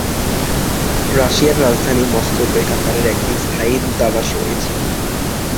রাশিয়ার রাজধানী মস্কোতে কাতারের একটি স্থায়ী দূতাবাস রয়েছে।